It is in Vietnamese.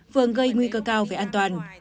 vừa gây nguy cơ cao về an toàn